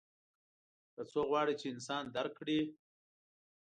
که څوک غواړي چې انسان درک کړي.